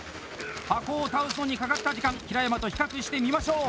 箱を倒すのにかかった時間平山と比較してみましょう。